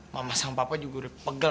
mama sang papa juga udah pegel